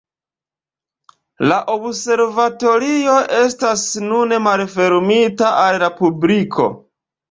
La observatorio estas nun malfermita al la publiko.